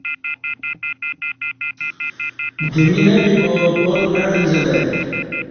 دمی نہ بیبا پار نہ عنزہ لہ ای